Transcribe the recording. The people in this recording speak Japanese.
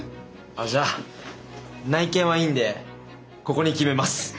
あっじゃあ内見はいいんでここに決めます。